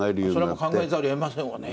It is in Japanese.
それはもう考えざるをえませんわね。